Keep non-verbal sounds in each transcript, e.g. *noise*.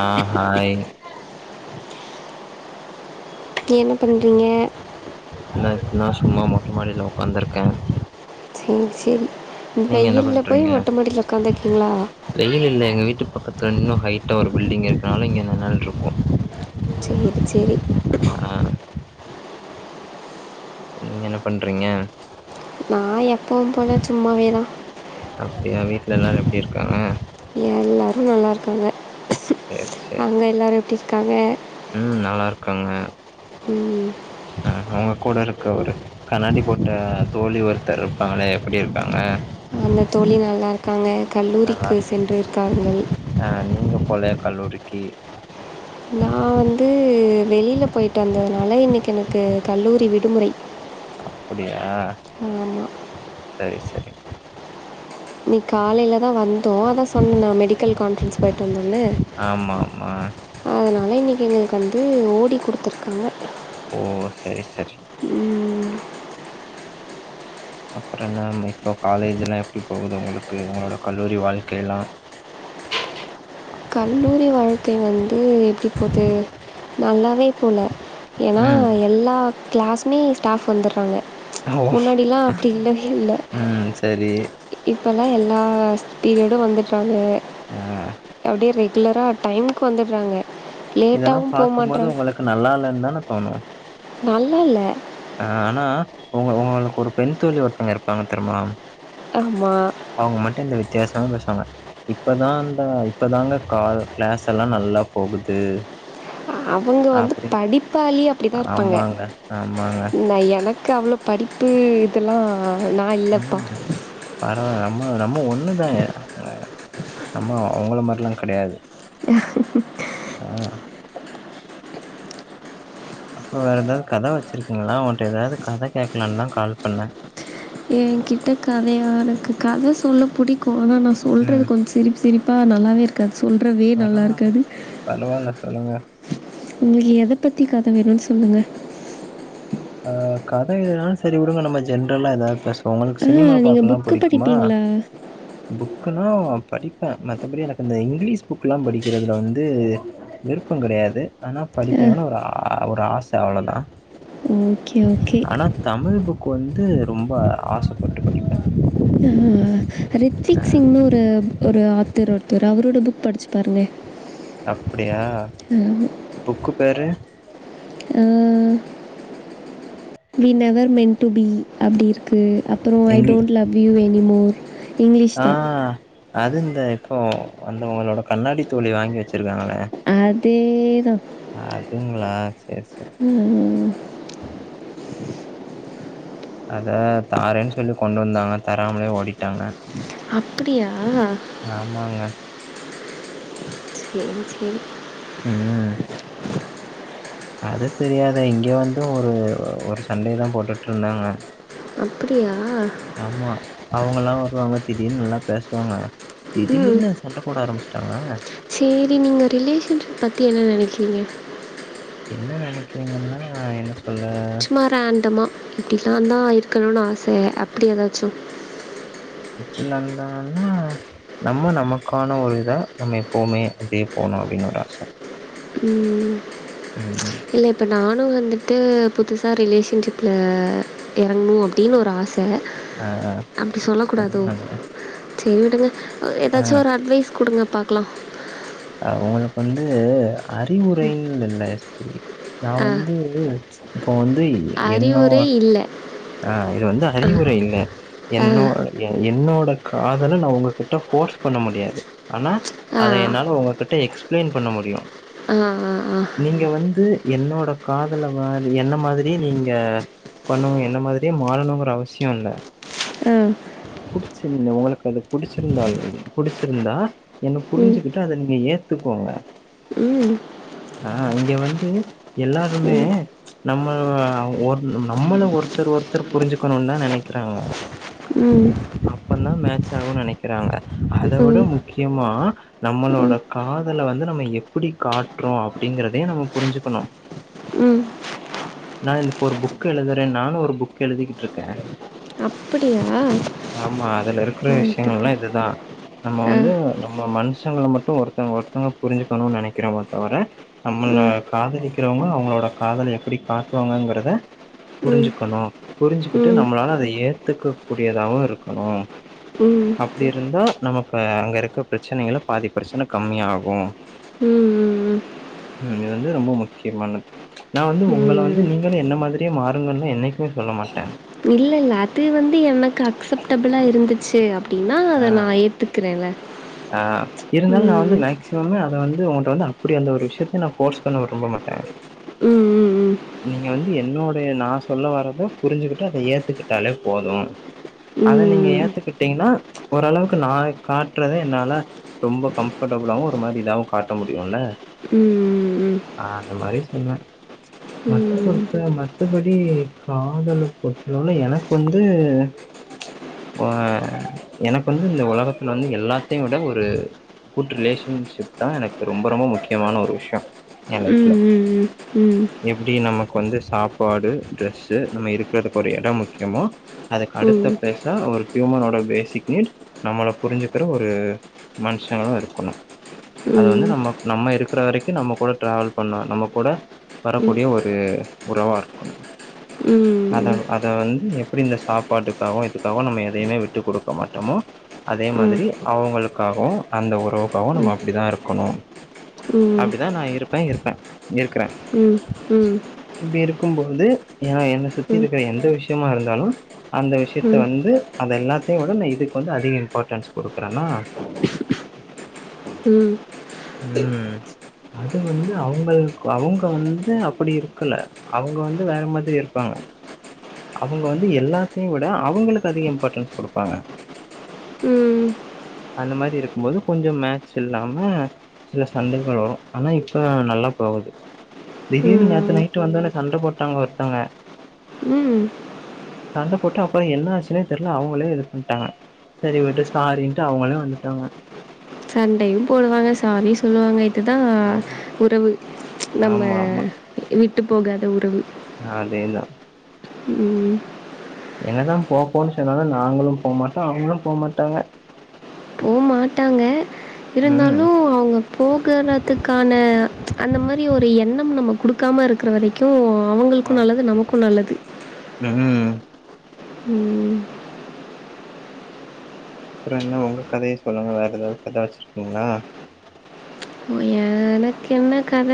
ஆ hi என்ன பண்றீங்க நா இப்ப நா சும்மா மொட்ட மாடில உக்காந்துருக்கே சேரி சேரி இந்த நீங்க என்ன வெயில்ல போய் பண்றீங்க மொட்ட மாடில உக்காந்துருக்கீங்களா வெயில் இல்ல எங்க வீட்டு பக்கத்துல இன்னு ஹைட்டா ஒரு பில்டிங் இருக்குனால இங்க நெழல் இருக்கு சேரி சேரி ஆ நீங்க என்ன பண்றீங்க நா எப்பவு போல சும்மாவே தா அப்டியா வீட்ல எல்லாரு எப்டி இருக்காங்க உ எல்லாரு நல்லாருக்காங்க சேரி அங்க எல்லாரு எப்டி இருக்காங்க உ நல்லா இருக்காங்க ம், ஆ அவுங்க கூட இருக்க ஒரு கண்ணாடி போட்ட தோழி ஒருத்தர் இருப்பாங்களே எப்டி இருப்பாங்க அந்த தோழி நல்லா இருக்காங்க நல்லா கல்லூரிக்கு இருக் சென்று இருக்காங்கள் ஆ நீங்க போலயா கல்லூரிக்கு நா வந்து வெளில போயிட்டு வந்ததுனால இன்னிக்கி எனக்கு கல்லூரி விடுமுறை அப் டியா ஆமாம் சேரி சேரி இன்னிக் காலைல தா வந் தோ அதா சொன்னே நா மெடிக்கல் கான்ஃபரன்ஸ் போயிட்டு வந்தன்னு ஆமா ஆமா அதனால இன்னக்கி எங்களுக்கு வந்து ஓ டி குடுத்துருக்காங்க ஓ செரி செரி அப்றோ என்ன இப்போ காலேஜ்லா எப்டி போகுது உங்களுக்கு உங்களோட கல்லூரி வாழ்க்கையெலா கல்லூரி வாழ்க்கை வந்து எப்டி போது நல்லாவே போல ஏன்னா ம் எல்லா கிளாஸ்மே ஸ்டாஃப் வந்துறாங்க ஓ முன்னாடில்லா அப்டி இல்லவே இல்ல ம் சரி இப்பல்லா எல்லா பீரியடு வந்துட்றாங்க ஆ *unintelligible* ரெகுலரா டைமுக் வந்துறாங்க இதெல்லா லேட்டாவு போ பாக்கும்போது மாட்றா உங்களுக்கு நல்லா இல்லனு தான தோணு நல்லால்ல ஆ ஆனா உங்க உங்களுக்கு ஒரு பெண் தோழி ஒருத்தவங்க இருப்பாங்க தெர்மா ஆம்மா அவங்க மட்டு இந்த வித்யாசமா பேசுவாங்க இப்போதா இந்த இப்பதாங்க கா கிளாஸ் எல்லா நல்லா போகுது அவங்க வந்து அப்டி படிப்பாளி அப்டிதா இருப்பாங்க ஆமாங்க ஆமாங்க இந்த எனக் க்கு அவ்ளோ படிப்பு இதெல்லா நா இல்லப்பா பரவால நம்ம நம்ம ஒண்ணுதாங்க *unintelligible* நம்ம அவங்கள மாரிலா கெடயாது ஆ அப்போ வேற எதாது கத வச்சிருக்கிங்களா ஒங்ட்ட ஏதாவது கத கேக்கலானுதா கால் பண்ணே ஏகிட்ட கதையா ருக்கு கத சொல்ல புடிக்கு ஆனா நாஸ் சொல்றது ம் கொஞ்சோ சிரிப்பு சிரிப்பா நல்லாவே இருக்காது சொல்ற வே நல்லா இருக்காது பரவால சொல்லுங்க உங்களுக்கு எத பத்தி கத வேணுனு சொல்லுங்க ஆ கதையா சரி உடுங்க நம்ம ஜென்ரல்லா எதாவது பேசு ஒங்ளுக்கு சினிமா ஆ நீங்கள் பாக்கலா புக்கு புடிக்குமா படிப்பீங்களா புக்குல்லா படிப்ப மத்தபடி எனக்கு அந்த இங்கிலீஷ் புக் எல்லா படிக்கிறதுல வந்து விருப்ப கெடயாது ஆனா படிக்கணுனு ஒரு ஆ ஒரு ஆச அவ்ளதா ஓகே ஓகே ஆனா தமிழ் புக் வந்து ரொம்ப ஆசப்பட் ம் ம் ம் ரித்விக் சிங்ன்னு ஒரு ஒரு ஆத்தர் ஒருத்தர் அவரோட புக் படிச்சு பாருங்க அப்டியா புக்கு பேரு ம் we never meant to be அப்டி இரு க்கு அப்றோ ஐ இங் don't love you anymore English ஆ தா அது இந்த இப்போ அந்த உங்களோட கண்ணாடி தோழி வாங்கி வச்சுருக்காங்களே அதேதா அதுங்களா சேர் சேர் ம் ம் ம் அத தாரன்னு சொல்லி கொண்டு வந்தாங்க தராமலே ஓடிட்டாங்க அப்டியா ஆமாங்க சேரி செரி ம் அது தெரியாத இங்க வந்து ஒரு ஒரு சண்டே தா போட்டுட்ருந்தாங்க அப்டியா ஆமா அவங்கல்லா வருவாங்க திடீர்னு நல்லா பேசுவாங்க ம் திடீர்னு சண்ட போட ஆரமிச்சட்டாங்க சரி நீங்க ரிலேஷன்ஷிப் பத்தி என்ன நெனைக்கிறீங்க என்ன நெனைக்கிறீங்கன்னா என்ன சொல்ல சும்மா ரேண்டமா இப்படிலா தா இருக்கணும்னு ஆச அப்டி ஏதாச்சு எப்பிலா இருந்தானா நம்ம நமக்கான ஒரு இதா நம்ம எப்பவுமே அப்டியே போகன்னு அப்படின்னு ஒரு ஆச ம் ம் ம் இல்லப்பண்ண நானும் வந்துட்டு புதுசா ரிலேஷன்ஷிப்பில் இறங்கணு அப்டின்னு ஒரு ஆச ஆ ஆ அப்டி சொல்ல கூடாதோ அதனால சரி விடுங்க ஆ ஏதாச்சும் ஒரு அட்வைஸ் கொடுங்க பாக்கலா உங்களுக்கு வந்து அறிவுரைன்னு இல்ல எஸ்பி நா ஆ வந்து இப்ப வந்து அறிவுரை இல்ல ஆஹ் இது வந்து அறிவுரை இல்ல ஆ என்னோ என்னோட காதல நா உங்ககிட்ட போஃபர்ஸ் பண்ண முடியாது ஆனா அத ஆ என்னால உங்ககிட்ட எக்ஸ்பிளைன் பண்ண முடியு ஆஹ் ஆஹ் ஆஹ் நீங்க வந்து என்னோட காதல மா என்ன மாதிரியே நீங்க பண்ணணு என்ன மாதிரியே மாறணுங்குற அவசியொ இல்ல ஆ புடிச்சு உங்களுக்கு அது புடிச்சிருந்தால் புடிச்சிருந்தா என்ன ம் புரிஞ்சுக் ட்டு அத நீங்க ஏத்துக்கோங்க ம் ஆ இங்க வந்து எல்லாருமே ம் நம்ம ஒரு நம்மள ஒருத்தர் ஒருத்தர் புரிஞ்சுக்கணுன்தா நெனக்கிறாங்க அப்பந்தா மேட்ச் ஆவுன் நெனக்கிறாங்க அத ம் விட ம் முக்கியமா ம் நம்மளோட காதல வந்து நம்ம எப்டி காட்றோ அப்டிங்கறதே நம்ம புரிஞ்சுக்கொணு ம் நா இதுப்ப ஒரு புக் எழுதுறே நானு ஒரு புக் எழுதிக்கிட்ருக்க அப்படியா ஆமா அதுல இருக்குற விஷயங்கள்லா வாழ்த்துக்கள் இதுதா நம்ம ஆ வந்து நம்ம மனுஷங்கள மட்டும் ஒருத்தங்க ஒருத்தங்க புரிஞ்சுக்கணூன் நெனகெகிறோமே தவர நம்மள ம் காதலிக்கிறவங்கள அவங்களோட காதல் எப்டி காட்டுவாங்கங்குறத ம் புரிஞ்சு கணு புரிஞ்சுக்கிட்டு ம் நம்ளால அத ஏத்துக்க கூடியதாவு இருக்கணு ம் அப்டி இருந்தா நமக்கு அங்க இருக்க ப்ரச்சனைகள பாதி ப்ரச்சன கம்மியாகு ம் ம் இது வந்து ரொம்ப முக்கியமானது நா வந்து உங்கள வந்து ம் நீங்களு என்ன மாதிரியே மாறுங்கன்னா என்னைக்குமே சொல்ல மாட்ட இல்ல இல்ல அது வந்து எனக்கு அக்செப்டபுளா இருந்துச்சு அப்டின்னா ஆ அத நா ஏத்துக் குறல ஆ இருந்தாலு நா வந்து மேக்ஸி மமே அத வந்து உங்கள்ட்ட வந்து அப்டி அந்த ஒரு விஷயத்த நா ஃபோர்ஸ் பண்ண விரும்ப மாட்ட ம் ம் ம் நீங்க வந்து என்னோடைய நா சொல்ல வர்றத புரிஞ்சுகிட்டு அத ஏத்துக்குட்டாலே போது அத ம் நீங்க ஏத்துக்கிட்டீங்னா ஓரளவுக்கு நா கா ட்றத என்னால ரொம்ப கம்ஃபர்டபுளாவு ஒரு மாரி இதாவு காட்ட முடியுல்ல ம் ம் ம் ஆ அந்த மாரி சொன்ன ம் மத்த ம் பொடுத்த மத்தப்படி காதல பொறுத்தளவுல எனக்கு வந்து *inaudible* ஆ எனக்கு வந்து இந்த ஒலகத்துல வந்து எல் லாத்தயு விட ஒரு குட் ரிலேஷன்ஷிப் தா எனக்கு ரொம்ப ரொம்ப முக்கியமான ஒரு விஷ்யொ ம் ம் ம் ம் எப்டி நமக்கு வந்து சாப்பாடு ட்ரெஸ்ஸு நம்ம இருக்குறதுக்கு ஒரு எடம் முக்கியமோ ம் ம் ம் ம் அதுக்கடுத்த பேசா ஒரு ஹ்யூமனோட பேசிக் நீட் நம்மள புரிஞ்சு க்குற ஒரு மனுஷங்களு இருக்கணு அது வந்து நம்ம நம்ம இருக்குற வரைக்கு நம்மக் கூட ட்ராவல் பண்ணோ நம்மக் கூட ம் ம் வரக்கூடிய ஒரு உறவா இருக்கணு ம் அத அத வந்து எப்டி இந்த சாப்பாட்டுக்காவு இதுக்காவு நம்ம எதயுமே விட்டு குடுக்க மாட்டோமோ அதே மாதிரி அவங்களுக்காகவு அந்த உறவுக்காவு நம்ம அப்டிதா இருக்கணு அப்டிதா நா இருப்ப இருப்ப இருக்குற ம் இப்டி இருக்கும்போது ஏன்னா என்ன சுத்தி இருக்குற எந்த விஷயமா இருந்தாலு அந்த விஷயத்த வந்து அத எல்லாத்தயு விட இதுக்கு வந்து அதிக இம்பாட்டன்ஸ் குடுக்குறன்னா ம் ம் அது வந்து அவுங்களுக்கு அவுங்க வந்து அப்டி இருக்கல அவுங்க வந்து வேற மாத்ரி இருப்பாங்க அவுங்க வந்து எல்லாத்தயு விட அவுங்களுக்கு அதிக இம்பார்ட்டன்ஸ் குடுப்பாங்க ம் அந்த மாரி இருக்கும் போது கொஞ்சொ மேட்ச் இல்லாம சில சண்டைகள் வரு ஆனா இப்ப நல்லா போகுது ம் திடீர்னு நேத்து ம் நைட்டு வந்தோனே சண்ட போட்டாங்க ஒருத்தவ்ங்க ம் சண்ட போட்டு அப்பறொ என்ன ஆச்சுன்னே தெரில அவுங்களே இது பண்ட்டாங்க செரி விடு சாரின்ட்டு அவுங்களே வந்துட்டாங்க சண்டயு போடுவாங்க சாரியு சொல்லுவாங்க இதுதா ஆமா. உறவு நம்ம ஆமாமா. விட்டு போகாத உறவு அதே தா ம் என்னதா போப்போன்னு சொன்னாலு நாங்களு போமாட்டோ அவுங்களு போமாட்டாங்க போ மாட்டாங்க இருந்தாலு ம். அவுங்க போகுறதுக்கான அந்த மாரி ஒரு எண்ணம் நம்ம குடுக்காம இருக் இருக்குற வரைக்கு அவுங்களுக்கு நல்லது நமக்கு நல்லது ம் ம் ம் அப்பறொ என்ன உங்க கதைய சொல்லுங்க வேற எதாது கத வச்சுருக்கீங்ளா *unintelligible* எனக்கென்ன கத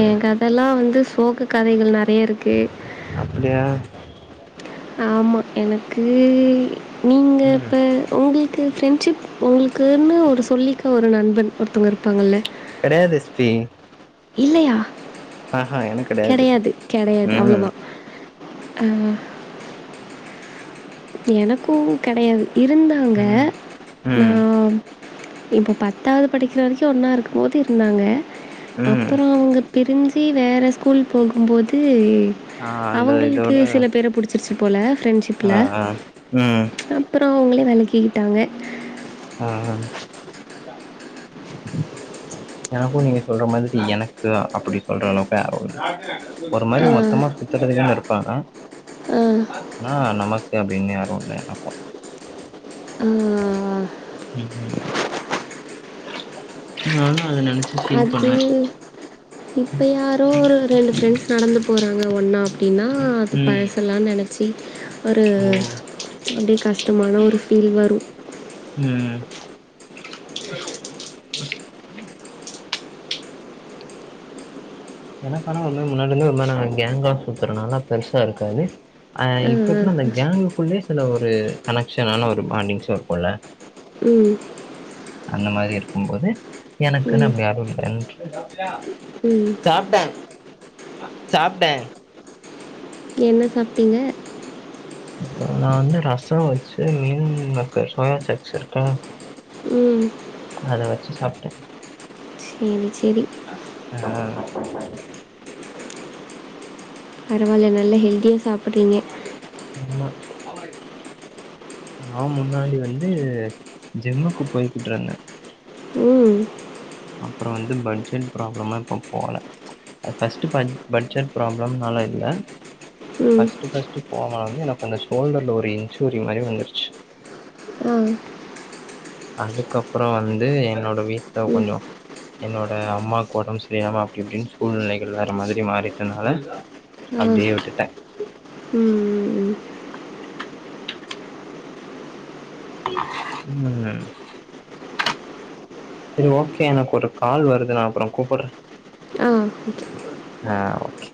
ஏ கதல்லா வந்து சோக கதைகள் நெறய இருக்கு அப்டியா ஆமா எனக்கு நீங்க ம் இப்ப உங்ளு கு ஃப்ரென்ட்ஷிப் உங்ளுக்குன்னு ஒரு சொல்லிக்க ஒரு நண்பன் ஒருத்தவங்க இருப்பாங்கல்ல கெடயாது *unintelligible* இல்லயா எனக்கு கிடையாது கெடையாது கெடையாது அவ்ளோ ம் தா அ எனக்கு கெடையாது இருந்தாங்க ம் நா ம் இப்போ பத்தாது படிக்கிற வரைக்கு ஒன்னா இருக்கும்போது இருந்தாங்க ம் அப்பறோ அவுங்க பிரிஞ்சு வேற ஸ்கூல் போகும்போது ஆ அந்த அவுங்களுக்கு இதோட சில பேர புடுச்சிருச்சு போல ஃப்ரெண்ட்ஷி ஆ ஆ ம் அப்பறோ அவுங்களே வெளகிக்கிட்டாங்க ஆ எனக்கு நீங்க சொல்ற மாதிரி எனக்கு அப்டி சொல்ற அளவுக்கு யாரு இல்ல ஒரு மாரி அ, மொத்தமா சுத்ததுக்குன்னு இருப்பாங்க அ. ஆனா நமக்கு அப்டினு யாரு இல்ல எனக்கு ம் ம் நானு அத நெனச்சு ஃபீல் அது பண்ணேன் இப்ப யாரோ ஒரு ரெண்டு ஃப்ரெண்ட்ஸ் நடந்து போறாங்க ஒன்னா அப்டின்னா அது ம் பழசலா நெனச்சி ஒரு ஓ அப்டி கஷ்டமான ஒரு ஃபீல் வரு ம் எனக்கானா ஒரு மரி முன்னாடி இருந்து ஒரு மரி நாங்க கேங்கா சுத்துறனால பெருசா இருக்காது அ இப்ப எப்னா அந்த கேங்குக்குள்ளயே சில ஒரு கனெக்ஷனான ஒரு பாண்டிங்ஸு இருக்குல்ல ம் அந்த மாரி இருக்குபோது எனக்குன்னு ம் அப்டி யாரு இல்லன்று ம் சாப்டே சாப்டே என்ன சாப்டிங்க நா வந்து ரசம் வச்சு மீன்மேக்கர் சோயா சாக்ஸ் இருக்கா உம் அத வச்சி சாப்ட்டே ம் செரி ஆ பரவால நல்ல ஹெல்தியா ஆமா நா முன்னாடி வந்து ஜிம்முக்கு போய்கிட்ருந்தே உம் அப்றோ வந்து பட்ஜெட் ப்ராப்ளமா இப்பம் போல அது ஃபஸ்ட் பட் பட்ஜெட் ப்ராப்ளம்னால இல்ல ம் ஃபஸ்ட்டு ஃபஸ்ட்டு போன வந்து எனக்கு அந்த ஷோல்டர்ல ஒரு இன்சூரி மாரி வந்துருச்சு ஆ அதுக்கப்றோ வந்து என்னோட வீட்ல ம் கொஞ்சோ என்னோட அம்மாக்கு ஒடம்பு சரியாமா அப்டி இப்டினு சூழ்நிலைகள் வேற மாதிரி மாறிட்டனால அப்டியே விட்டுட்டே உம் ம் ம் உம் சரி ஓகே எனக்கு ஒரு கால் வருது நா அப்றோ கூப்புறே ஆ ஓகே ஆ ஓகே